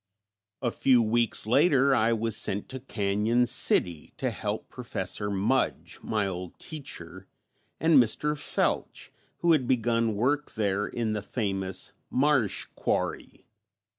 A few weeks later I was sent to Cañon City to help Professor Mudge, my old teacher, and Mr. Felch, who had begun work there in the famous "Marsh Quarry".